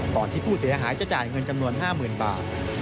ที่ผู้เสียหายจะจ่ายเงินจำนวน๕๐๐๐บาท